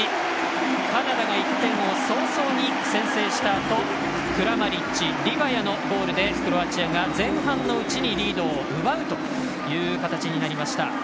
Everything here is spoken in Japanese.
カナダが１点を早々に先制したあとクラマリッチ、リバヤのゴールでクロアチアが前半のうちにリードを奪うという形になりました。